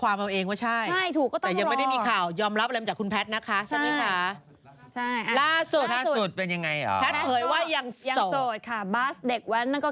อันนี้เพจเขาก็